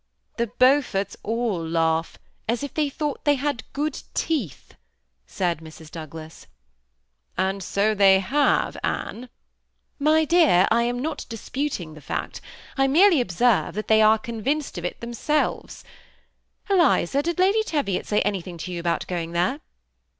^ The Beauibrts all laugh as if they thought they had good teeth," said Mrs. Douglas. " And 60 they have, Anne." 252 THE BEBn ATTACHED COUPLE. ^ My dear, I am not dispating the fact ; I merely oIh serve that they are oonTinced of it themselves. Klisa, did Lady Teyiot say anything to you aboat going there